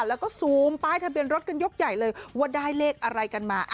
แล้วก็ซูมป้ายทะเบียนรถกันยกใหญ่เลยว่าได้เลขอะไรกันมา